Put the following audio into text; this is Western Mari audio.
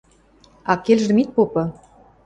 – Аккелжӹм ит попы!..